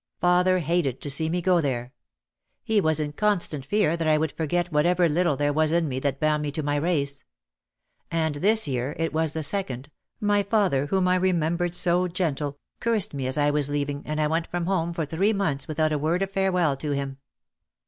Father hated to see me go there. He was in constant fear that I would forget whatever little there was in me that bound me to my race. And this year, it was the second, my father whom I remembered so gentle, cursed me as I was leaving and I went from home for the three months without a word of farewell to him.